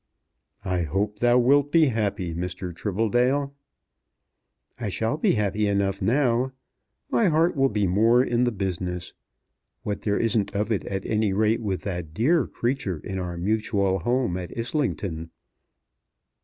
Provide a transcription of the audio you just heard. "I hope thou wilt be happy, Mr. Tribbledale." "I shall be happy enough now. My heart will be more in the business, what there isn't of it at any rate with that dear creature in our mutual home at Islington.